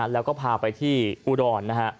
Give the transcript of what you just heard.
แล้วก็พาไปที่อุดร